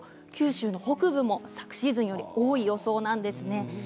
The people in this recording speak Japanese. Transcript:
九州の北部も昨シーズンより多い予想なんです。